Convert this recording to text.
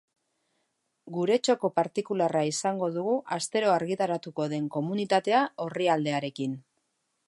Gure txoko partikularra izango dugu astero argitaratuko den Komunitatea orrialdearekin.